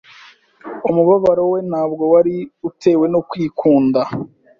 Umubabaro we ntabwo wari utewe no kwikunda